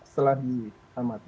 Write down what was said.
setelah di amat itu